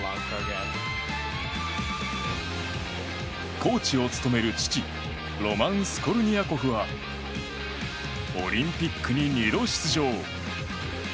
コーチを務める父ロマン・スコルニアコフはオリンピックに２度出場。